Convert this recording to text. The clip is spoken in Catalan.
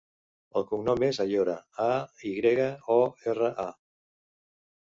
El cognom és Ayora: a, i grega, o, erra, a.